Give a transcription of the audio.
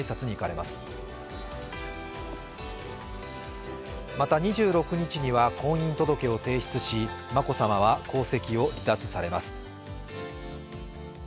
また２６日には婚姻届を提出し眞子さまは皇籍を離脱されます。